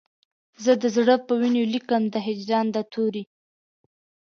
زه د زړه په وینو لیکم د هجران د توري